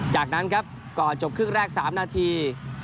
จากนั้นครับก่อนจบครึ่งแรก๓นาที